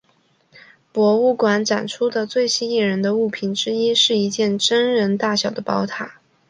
博物馆展出的最吸引人的物品之一是一件真人大小的宝塔。